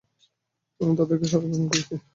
আমি তাদের সবাইকে খুন করেছি।